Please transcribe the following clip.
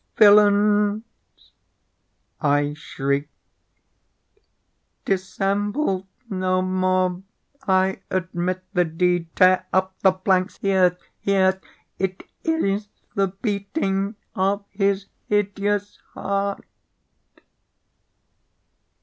_ "Villains!" I shrieked, "dissemble no more! I admit the deed!—tear up the planks!—here, here!—It is the beating of his hideous heart!"